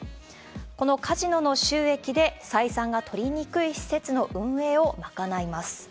このカジノの収益で、採算が取りにくい施設の運営を賄います。